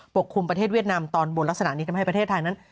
กลุ่มประเทศเวียดนามตอนบนลักษณะนี้ทำให้ประเทศไทยนั้น